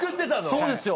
そうですよ